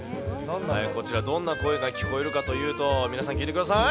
こちら、どんな声が聞こえるかというと、皆さん、聞いてください。